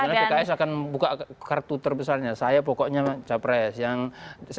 pks akan buka kartu terbesarnya saya pokoknya cawapres